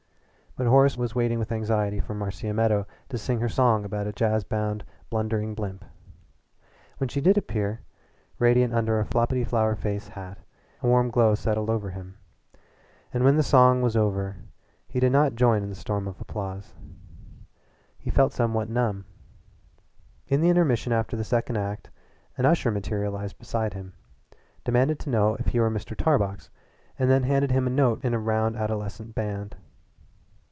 But Horace was waiting with anxiety for Marcia Meadow singing her song about a Jazz bound Blundering Blimp. When she did appear, radiant under a floppity flower faced hat, a warm glow settled over him, and when the song was over he did not join in the storm of applause. He felt somewhat numb. In the intermission after the second act an usher materialized beside him, demanded to know if he were Mr. Tarbox, and then handed him a note written in a round adolescent band.